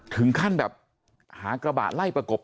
ถึงขั้นแบบหากระบะไล่ประกบ